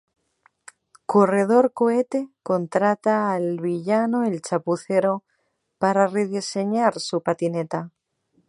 Corredor Cohete contrata al villano el Chapucero para rediseñar su patineta.